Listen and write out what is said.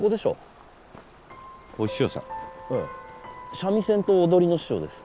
三味線と踊りの師匠です。